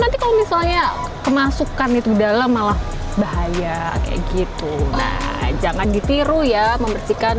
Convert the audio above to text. atau misalnya kemasukan itu dalam malah bahaya kayak gitu nah jangan dipiru ya membersihkan